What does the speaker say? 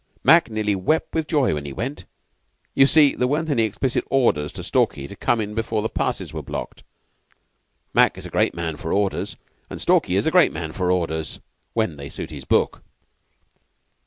Mac nearly wept with joy when he went. You see there weren't any explicit orders to Stalky to come in before the passes were blocked: Mac is a great man for orders, and Stalky's a great man for orders when they suit his book."